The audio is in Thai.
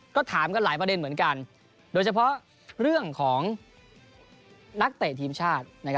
ก็ถามกันหลายประเด็นเหมือนกันโดยเฉพาะเรื่องของนักเตะทีมชาติ